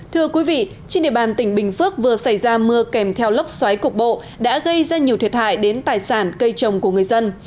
thưa quý vị trên địa bàn tỉnh bình phước vừa xảy ra mưa kèm theo lốc xoáy cục bộ đã gây ra nhiều thiệt hại đến tài sản cây trồng của người dân